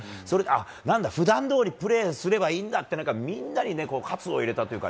何だ、普段どおりプレーすればいいんだってみんなに活を入れたというか